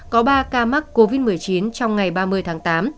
có ba ca mắc covid một mươi chín trong ngày ba mươi tháng tám